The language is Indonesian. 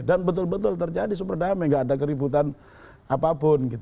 dan betul betul terjadi super damai tidak ada keributan apapun